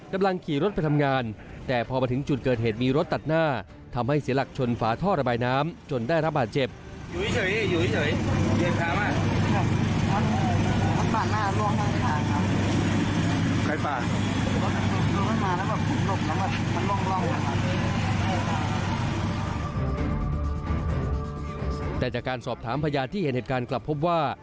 แต่จากการสอบถามพยานที่เห็นเหตุการณ์กลับพบว่า